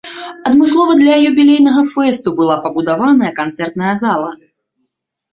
Адмыслова для юбілейнага фэсту была пабудаваная канцэртная зала.